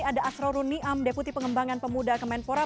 ada asrorun niam deputi pengembangan pemuda kemenpora